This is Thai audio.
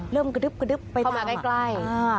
เริ่มกระดึ๊บไปต่อมา